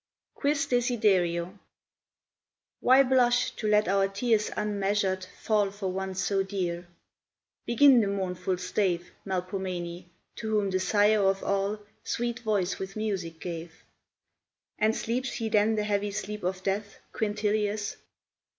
QUIS DESIDERIO. Why blush to let our tears unmeasured fall For one so dear? Begin the mournful stave, Melpomene, to whom the Sire of all Sweet voice with music gave. And sleeps he then the heavy sleep of death, Quintilius?